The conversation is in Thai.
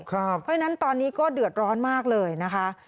เพราะฉะนั้นตอนนี้ก็เดือดร้อนมากเลยนะคะ